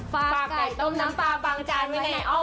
ฝากไก่ต้มน้ำปลาบางใจ